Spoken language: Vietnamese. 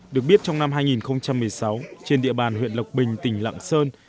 được biết trong năm hai nghìn một mươi sáu trên địa bàn huyện lộc bình tỉnh lạng sơn